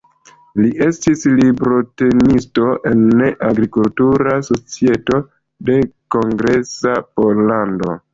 Li estis librotenisto en Agrikultura Societo de Kongresa Pollando.